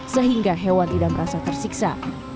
sehingga hewan tidak merasa tersiksa